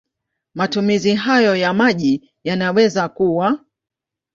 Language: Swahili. Matumizi hayo ya maji yanaweza kuwa